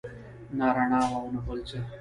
نه رڼا وه او نه بل څه.